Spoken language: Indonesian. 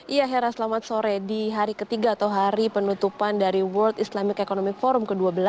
iya hera selamat sore di hari ketiga atau hari penutupan dari world islamic economic forum ke dua belas